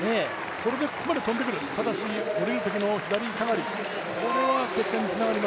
これでここまで飛んでくるただし下りるときの、左下がり